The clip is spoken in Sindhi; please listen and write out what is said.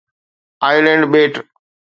آلينڊ ٻيٽ